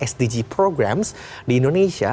sdg programs di indonesia